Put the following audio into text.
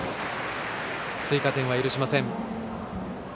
追加点は許しません。